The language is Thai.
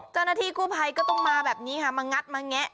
เจ้าหน้าที่กู้ภัยก็ต้องมาแบบนี้ค่ะมางัดมาแงะ